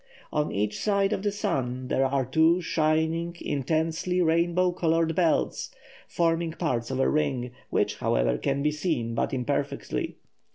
On each side of the sun there are two shining, intensely rainbow coloured belts, forming parts of a ring, which, however, can be seen but imperfectly.